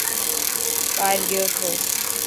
ٻاهر گيو ٿو.